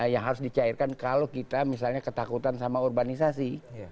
yang harus dicairkan kalau kita misalnya ketakutan sama urbanisasi